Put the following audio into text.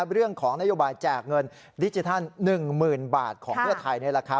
เรื่องของนโยบายแจกเงินดิจิทัล๑๐๐๐บาทของเพื่อไทย